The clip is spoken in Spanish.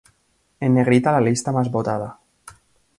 En negrita la lista más votada.